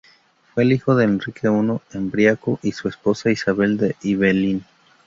Fue el hijo del Enrique I Embriaco y su esposa Isabel de Ibelín.